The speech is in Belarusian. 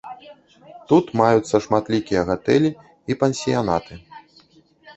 Тут маюцца шматлікія гатэлі і пансіянаты.